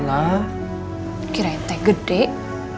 kenapa kamu berdiri di mamanement ker intended